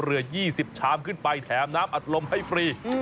เหลือ๒๐ชามขึ้นไปแถมน้ำอัดลมให้ฟรี